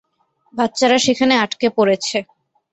বাচ্চারা সেখানে আটকে পড়েছে।